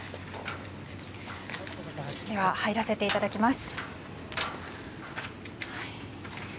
では、入らせていただきます。